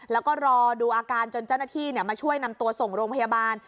แล้วก็รอดูอาการจนเจ้าหน้าที่มาช่วยนำตัวส่งโรงพยาบาล